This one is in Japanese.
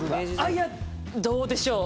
いやどうでしょう。